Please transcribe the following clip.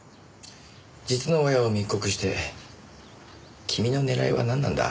実の親を密告して君の狙いはなんなんだ？